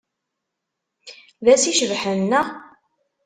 D ass icebḥen, naɣ?